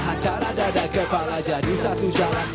antara dada kepala jadi satu jalan